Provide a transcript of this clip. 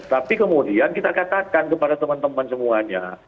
tapi kemudian kita katakan kepada teman teman semuanya